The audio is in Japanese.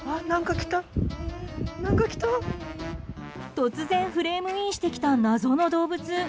突然、フレームインしてきた謎の動物。